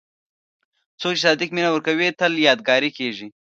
څوک چې صادق مینه ورکوي، تل یادګاري کېږي.